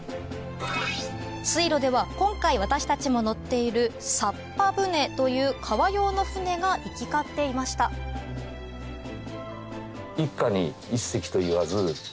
水路では今回私たちも乗っているサッパ舟という川用の舟が行き交っていました一家に１隻といわず。